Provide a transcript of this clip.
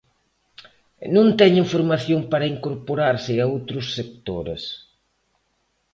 Non teñen formación para incorporarse a outros sectores.